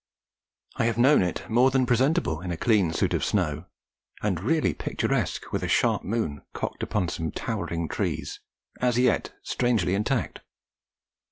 I have known it more than presentable in a clean suit of snow, and really picturesque with a sharp moon cocked upon some towering trees, as yet strangely intact.